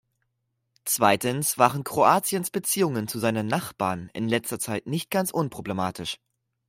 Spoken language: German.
Zweitens waren Kroatiens Beziehungen zu seinen Nachbarn in letzter Zeit nicht ganz unproblematisch.